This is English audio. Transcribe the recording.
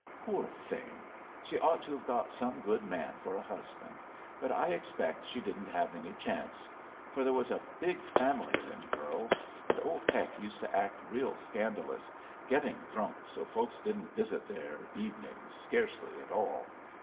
Poor thing! She ought to have got some good man for a husband, but I expect she didn't have any chance, for there was a big fam'ly o' them girls, and old Peck used to act real scandalous, getting drunk so folks didn't visit there evenings scarcely at all.